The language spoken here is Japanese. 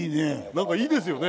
なんかいいですよね。